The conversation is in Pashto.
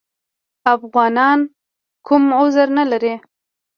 افغانان کوم عذر نه لري.